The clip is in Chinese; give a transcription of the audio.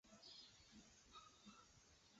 下格布拉是德国图林根州的一个市镇。